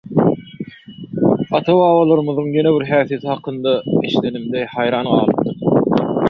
Ata-babalarymyzyň ýene bir häsiýeti hakynda eşdenimde haýran galypdym.